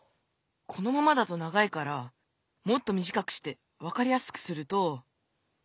このままだと長いからもっとみじかくして分かりやすくすると。